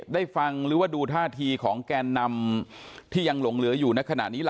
ฟังหรือว่าดูท่าทีของแกนนำที่ยังหลงเหลืออยู่ในขณะนี้ล่ะ